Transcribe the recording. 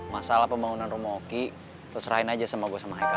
masalah pembangunan rumah oki terserahin aja sama gue sama heka